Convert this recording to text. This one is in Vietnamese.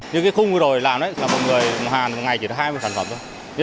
như cái khung người đổi làm đấy là một người hàng ngày chỉ là hai mươi sản phẩm thôi